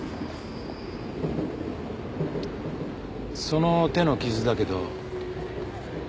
その手の傷だけど。